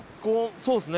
そうですね。